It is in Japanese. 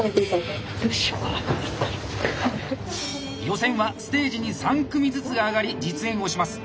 予選はステージに３組ずつ上がり実演をします。